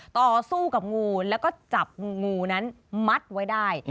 ต่อสู้กับงูแล้วก็จับงูนั้นมัดไว้ได้